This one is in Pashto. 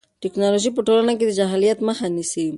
ټیکنالوژي په ټولنه کې د جهالت مخه نیسي.